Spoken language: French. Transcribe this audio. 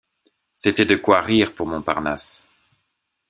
C’était de quoi rire pour Montparnasse.